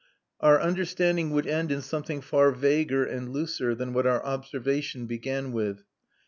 Our understanding would end in something far vaguer and looser than what our observation began with.